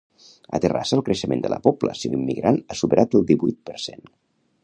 A Terrassa el creixement de la població immigrant ha superat el divuit per cent